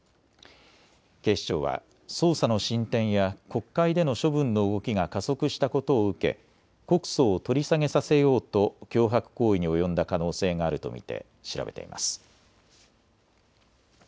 警視庁は捜査の進展や国会での処分の動きが加速したことを受け告訴を取り下げさせようと脅迫行為に及んだ可能性があると見て調べています。